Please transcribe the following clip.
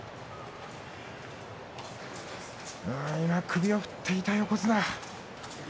首を振っていた横綱。